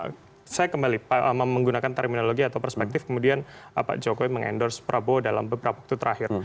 oke tapi ini menarik juga bahwa ketiga saya kembali menggunakan terminologi atau perspektif kemudian pak jokowi mengendorse prabowo dalam beberapa waktu terakhir